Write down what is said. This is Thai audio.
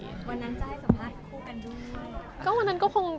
เห็นป่ะวันนั้นจะให้สัมภาษณ์คู่กันดู